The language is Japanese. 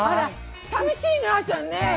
さみしいねあーちゃんね。